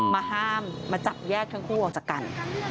มาห้ามมาจับแยกทั้งคู่ออกจากกัน